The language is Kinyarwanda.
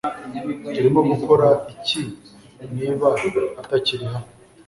Turimo gukora iki niba atakiri hano?